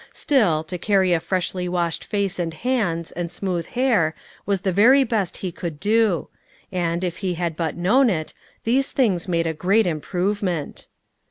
Still, to carry a freshly washed face and hands and smooth hair was the very best he could do; and, if he had but known it, these things made a great improvement.